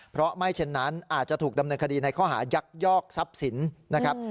เพราะไม่เช่นนั้นอาจจะถูกดำเนินคดีในข้อหายักยอกทรัพย์สินนะครับ